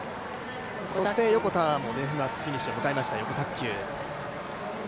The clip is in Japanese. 横田もフィニッシュを迎えました、よこたっきゅう。